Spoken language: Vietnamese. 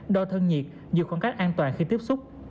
đo thân nhiệt giữ khoảng cách an toàn khi tiếp xúc